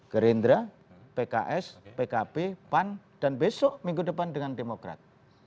gerindra pks pkb pan dan besok minggu depan dengan demokrat